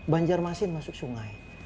banjarmasin masuk sungai